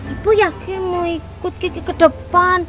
ibu yakin mau ikut ke depan